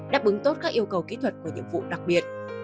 đáp ứng tốt các yêu cầu kỹ thuật của nhiệm vụ đặc biệt